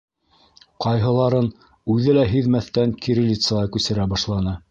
Ҡайһыларын үҙе лә һиҙмәҫтән кириллицаға күсерә башланы...